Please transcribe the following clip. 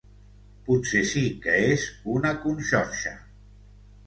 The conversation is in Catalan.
Potser sí que és una conxorxa.